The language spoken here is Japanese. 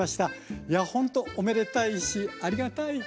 いやほんとおめでたいしありがたい。